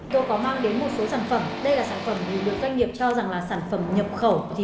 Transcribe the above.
tôi có mang đến một số sản phẩm đây là sản phẩm được doanh nghiệp cho rằng sản phẩm nhập khẩu